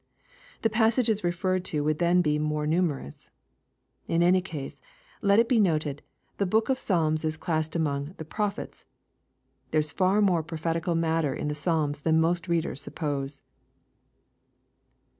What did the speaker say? The passages referred to would then be more numerous. In any case, let it be noted, the book of Psalms is classed among " the prophets.' There is far more of prophetical matter in the JPsalms than most readers suppose.